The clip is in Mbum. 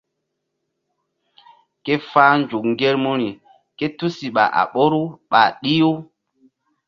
Ke fa̧h nzuk ŋgermuri ké tusiɓa a ɓoru ɓa ɗih-u.